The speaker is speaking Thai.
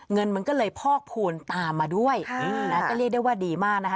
เงินมันก็เลยพอกพูนตามมาด้วยนะก็เรียกได้ว่าดีมากนะคะ